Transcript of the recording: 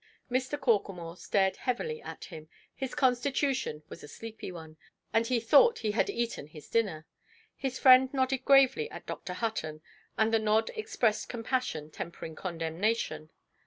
Mr. Corklemore stared heavily at him; his constitution was a sleepy one, and he thought he had eaten his dinner. His friend nodded gravely at Dr. Hutton; and the nod expressed compassion tempering condemnation.